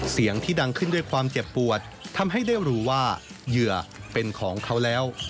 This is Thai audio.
เสียงที่ดังขึ้นด้วยความเจ็บปวดทำให้ได้รู้ว่าเหยื่อเป็นของเขาแล้ว